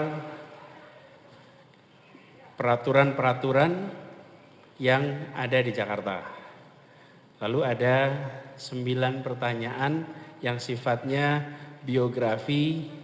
hai peraturan peraturan yang ada di jakarta lalu ada sembilan pertanyaan yang sifatnya biografi